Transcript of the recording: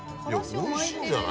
おいしいんじゃない？